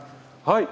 はい！